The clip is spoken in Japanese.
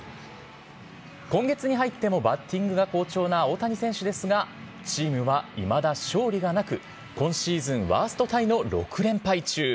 今月に入ってもバッティングが好調な大谷選手ですが、チームはいまだ勝利がなく、今シーズンワーストタイの６連敗中。